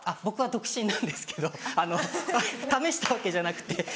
僕は独身なんですけど試したわけじゃなくて。